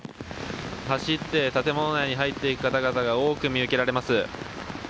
走って建物内に入っていく方々が多く見受けられます。